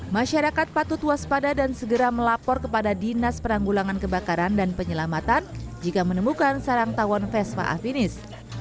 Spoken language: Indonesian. masyarakat patut waspada dan segera melapor kepada dinas penanggulangan kebakaran dan penyelamatan jika menemukan sarang tawon vespa afinis